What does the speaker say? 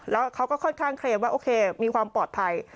แล้วเขาก็ค่อนข้างเคลมว่าโอเคมีความปลอดภัย